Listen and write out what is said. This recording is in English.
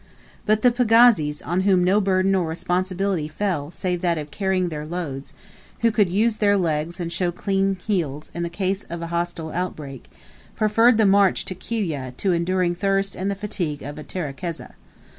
But the pagazis, on whom no burden or responsibility fell save that of carrying their loads, who could use their legs and show clean heels in the case of a hostile outbreak, preferred the march to Kiwyeh to enduring thirst and the fatigue of a terekeza.